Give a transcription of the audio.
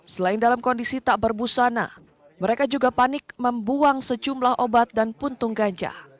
selain dalam kondisi tak berbusana mereka juga panik membuang sejumlah obat dan puntung ganja